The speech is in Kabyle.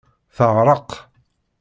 Teɣreq.